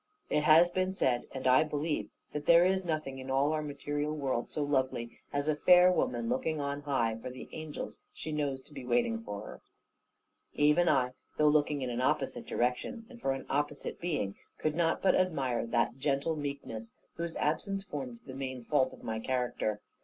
It has been said, and I believe, that there is nothing, in all our material world, so lovely as a fair woman looking on high for the angels she knows to be waiting for her. Even I, though looking in an opposite direction, and for an opposite being, could not but admire that gentle meekness, whose absence formed the main fault of my character.